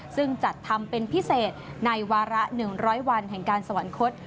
ซึ่งจัดทำเป็นพิเศษในวาระ๑๐๐วันแห่งการสวรรคต